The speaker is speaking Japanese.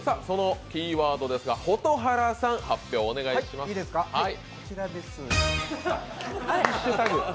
そのキーワードですが蛍原さん発表お願いします。